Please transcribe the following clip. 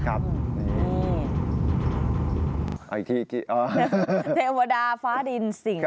ครับอีกทีอีกทีอ่าเทวดาฟ้าดินสิงห์